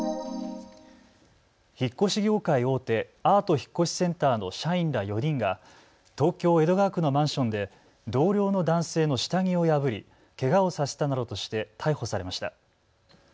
引っ越し業界大手、アート引越センターの社員ら４人が東京江戸川区のマンションで同僚の男性の下着を破り、けがをさせたなどとして逮捕されました。